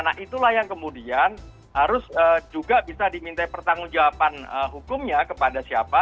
nah itulah yang kemudian harus juga bisa diminta pertanggung jawaban hukumnya kepada siapa